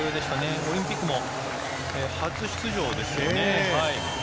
オリンピックも初出場でしたよね。